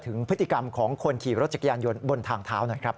ถึงพฤติกรรมของคนขี่รถจักรยานยนต์บนทางเท้าหน่อยครับ